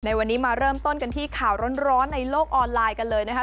วันนี้มาเริ่มต้นกันที่ข่าวร้อนในโลกออนไลน์กันเลยนะคะ